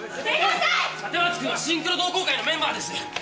立松君はシンクロ同好会のメンバーです。